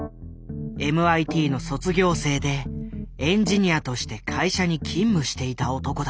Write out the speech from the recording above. ＭＩＴの卒業生でエンジニアとして会社に勤務していた男だ。